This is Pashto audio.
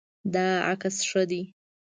دا عکس ښه دی